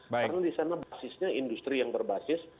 karena di sana basisnya industri yang berbasis